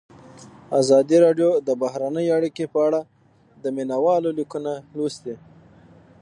ازادي راډیو د بهرنۍ اړیکې په اړه د مینه والو لیکونه لوستي.